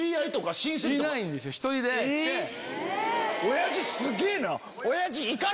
親父すげぇな！